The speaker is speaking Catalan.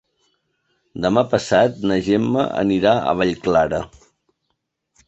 Demà passat na Gemma anirà a Vallclara.